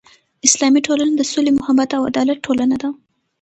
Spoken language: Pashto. اسلامي ټولنه د سولې، محبت او عدالت ټولنه ده.